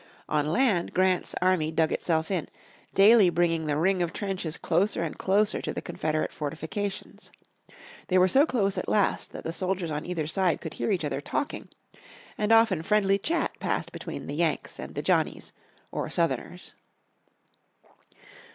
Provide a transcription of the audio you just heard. On land Grant's army dug itself in, daily bringing the ring of trenches closer and closer to the Confederate fortifications. They were so close at last that the soldiers on either side could hear each other talking, and often friendly chat passed between the "Yanks" and the "Johnnies" or Southerners.